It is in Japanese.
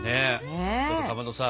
ちょっとかまどさ